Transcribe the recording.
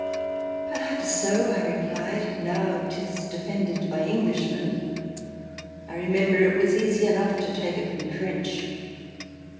Perhaps so, I replied, now 'tis defended by Englishmen. I remember twas easy enough to take it from the French."